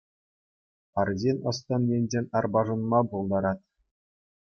Арҫын ӑс-тӑн енчен арпашӑнма пултарать.